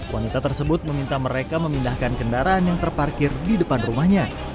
wanita tersebut meminta mereka memindahkan kendaraan yang terparkir di depan rumahnya